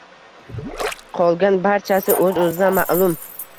Qolgan barchasi o‘z-o‘zidan ma’lum